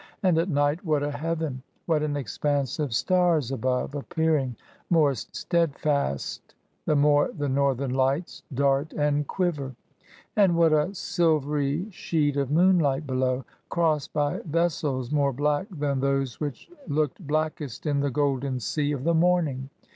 And at night, what a heaven ! What an expanse of stars above, appear ing more steadfast, the more the Northern Lights dart and quiver I And what a silvery sheet of moonlight below, crossed by vessels more black than those which looked blackest in the golden sea of the morning